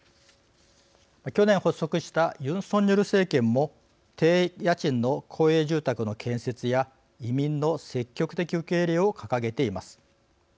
去年発足したユン・ソンニョル政権も低家賃の公営住宅の建設や移民の積極的受け入れを掲げています。